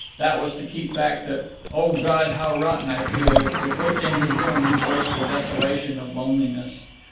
That was to keep back the "O God, how rotten I feel!" with which, in his room, he voiced the desolation of loneliness.